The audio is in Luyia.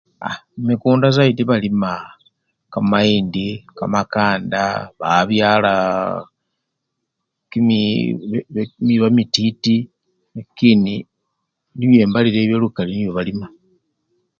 Aa mumikunda sayidi balima kamayindi, kamakanda, babyalaa kii kimiba mititi lakini nibyo mbalile ebyo lukali nibyo balima.